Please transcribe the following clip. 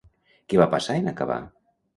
Què va passar en acabar?